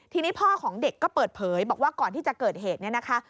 ทีนี้พ่อของเด็กก็เปิดเผยบอกว่าก่อนที่จะเกิดเหตุเนี่ยนะคะ